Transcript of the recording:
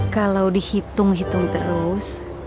kalau dihitung hitung terus